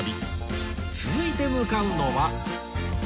続いて向かうのは